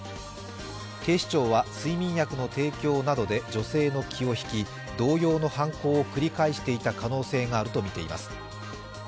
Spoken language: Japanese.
警視庁は睡眠薬の提供などで女性の気を引き同様の犯行を繰り返していた可能性があるとみています。